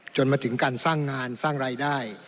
จนมาถึงการสร้างงานสร้างรายได้